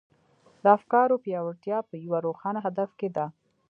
د افکارو پياوړتيا په يوه روښانه هدف کې ده.